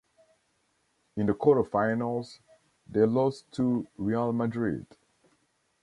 In the quarter-finals, they lost to Real Madrid.